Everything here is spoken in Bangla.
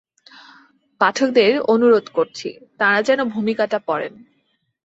পাঠকদের অনুরোধ করছি তাঁরা যেন ভূমিকাটা পড়েন।